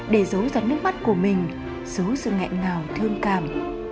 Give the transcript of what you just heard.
để giấu giặt nước mắt của mình giấu sự nghẹn ngào thương cảm